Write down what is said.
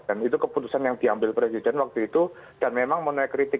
dan itu keputusan yang diambil presiden waktu itu dan memang menurut saya kritik